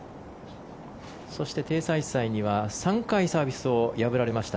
そして、テイ・サイサイには３回サービスを破られました。